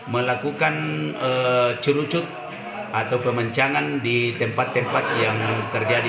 melakukan cerucut atau pemencangan di tempat tempat yang terjadi